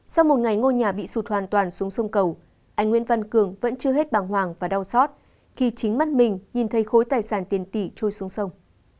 sau một ngày ngôi nhà bị sụt hoàn toàn xuống sông cầu anh nguyễn văn cường vẫn chưa hết bàng hoàng và đau xót khi chính mắt mình nhìn thấy khối tài sản tiền tỷ trôi xuống sông